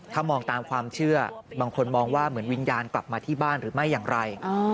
ถ้ามองตามความเชื่อบางคนมองว่าเหมือนวิญญาณกลับมาที่บ้านหรือไม่อย่างไร